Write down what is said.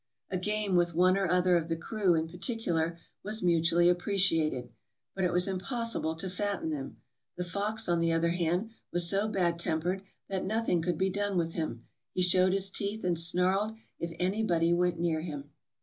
A game with one or other of the crew, in particular, was mutually appreciated; but it was impossible to fatten them. The fox, on the other hand, was so bad tempered that nothing could be done with him; he showed his teeth and snarled if anybody went near him.